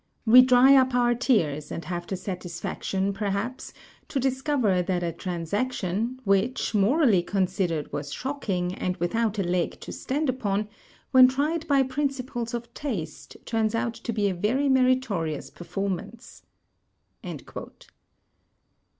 We dry up our tears, and have the satisfaction, perhaps, to discover that a transaction, which, morally considered, was shocking, and without a leg to stand upon, when tried by principles of Taste, turns out to be a very meritorious performance."